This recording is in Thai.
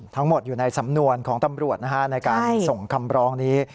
ทั้งหมดอยู่ในสำนวนของตำรวจในการส่งคำร้องนี้